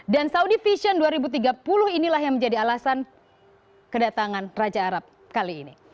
dan saudi vision dua ribu tiga puluh inilah yang menjadi alasan kedatangan raja arab kali ini